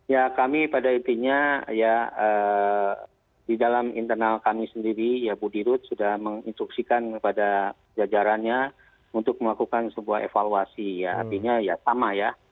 ya kami pada intinya ya di dalam internal kami sendiri ya bu dirut sudah menginstruksikan kepada jajarannya untuk melakukan sebuah evaluasi ya artinya ya sama ya